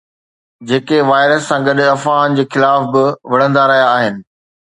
جيڪي وائرس سان گڏ افواهن جي خلاف به وڙهندا رهيا آهن.